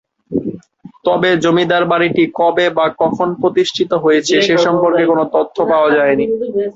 তবে জমিদার বাড়িটি কবে বা কখন প্রতিষ্ঠিত হয়েছে সে সম্পর্কে কোনো তথ্য পাওয়া যায়নি।